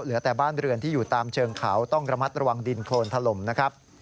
เหลือแต่บ้านเรือนที่อยู่ตามเชิงเขาต้องระมัดระวังดินโครนถล่มนะครับ